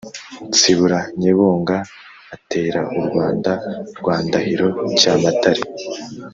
nsibura nyebunga atera u rwanda rwa ndahiro cyamatare,